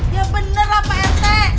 ya bener lah pak ente